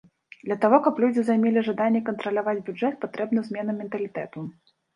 Для таго, каб людзі займелі жаданне кантраляваць бюджэт, патрэбна змена менталітэту.